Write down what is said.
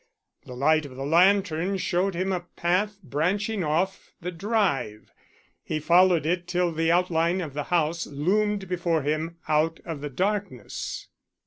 The light of the lantern showed him a path branching off the drive. He followed it till the outline of the house loomed before him out of the darkness.